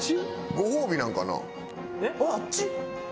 ご褒美なんかな。